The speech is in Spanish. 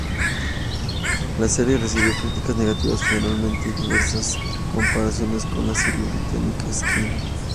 La serie recibió críticas negativas generalmente y diversas comparaciones con la serie británica "Skins".